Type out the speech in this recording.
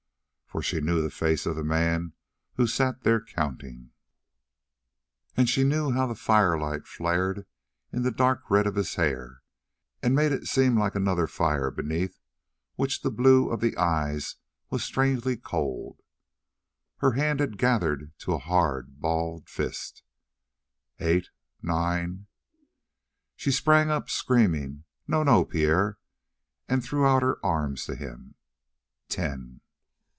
For she knew the face of the man who sat there counting; she knew how the firelight flared in the dark red of his hair and made it seem like another fire beneath which the blue of the eyes was strangely cold. Her hand had gathered to a hard balled fist. "Eight nine " She sprang up, screaming: "No, no, Pierre!" And threw out her arms to him. "Ten."